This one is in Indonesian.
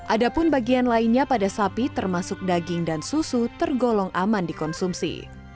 ada pun bagian lainnya pada sapi termasuk daging dan susu tergolong aman dikonsumsi